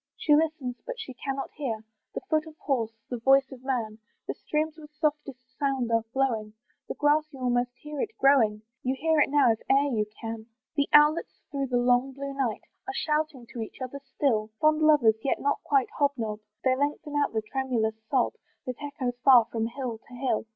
She listens, but she cannot hear The foot of horse, the voice of man; The streams with softest sound are flowing, The grass you almost hear it growing, You hear it now if e'er you can. The owlets through the long blue night Are shouting to each other still: Fond lovers, yet not quite hob nob, They lengthen out the tremulous sob, That echoes far from hill to hill.